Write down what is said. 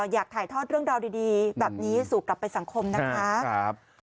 อยากถ่ายทอดเรื่องราวดีแบบนี้สู่กลับไปสังคมนะคะ